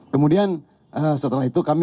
kemudian setelah itu kami